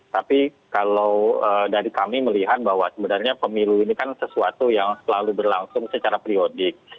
tapi kalau dari kami melihat bahwa sebenarnya pemilu ini kan sesuatu yang selalu berlangsung secara periodik